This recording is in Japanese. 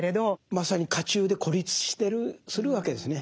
まさに家中で孤立するわけですね。